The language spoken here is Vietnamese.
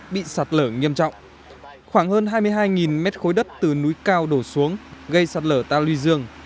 bị sạt lở nghiêm trọng khoảng hơn hai mươi hai mét khối đất từ núi cao đổ xuống gây sạt lở ta luy dương